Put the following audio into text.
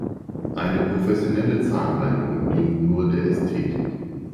Eine professionelle Zahnreinigung dient nur der Ästhetik.